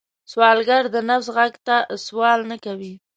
سوالګر د نفس غږ ته سوال نه کوي